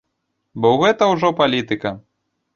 Бо гэта ўжо палітыка!